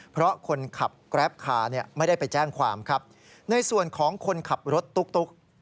เพราะคนขับแกรปคาร์เนี่ยไม่ได้ไปแจ้งความครับในส่วนของคนขับรถตุ๊ก